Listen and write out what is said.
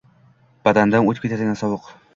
Badandan o`tib ketadigan sovuq